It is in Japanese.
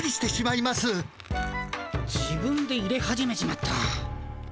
自分でいれ始めちまった。